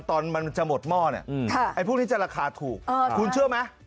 ตอนมันจะหมดหม้อเนี่ยไอ้พวกนี้จะราคาถูกคุณเชื่อไหม